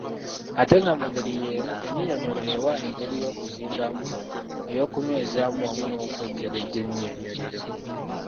Ate nga mu ngeri y’emu ennyinyonnyolero ewa engeri y’okuzimbamu, ey’okunywezaamu wamu n’okwekebejja ennyinyonnyolero.